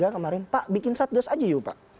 kemarin pak bikin satgas aja yuk pak